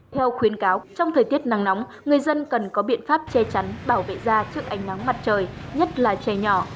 theo khuyến cáo trong thời tiết nắng nóng người dân cần có biện pháp che chắn bảo vệ da trước ánh nắng mặt trời nhất là trẻ nhỏ